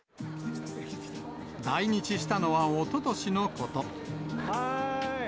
来日したのはおととしのこと。